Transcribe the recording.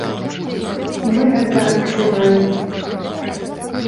І мы гэта адчуваем.